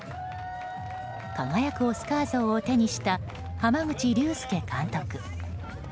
輝くオスカー像を手にした濱口竜介監督。